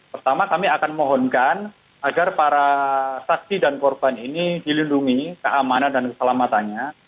pertama kami akan mohonkan agar para saksi dan korban ini dilindungi keamanan dan keselamatannya